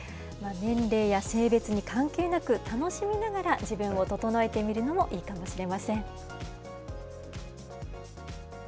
年齢や性別に関係なく、楽しみながら自分を整えてみるのもいいかもしれません。